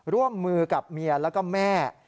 ร่วมมือกับเมียแล้วก็แม่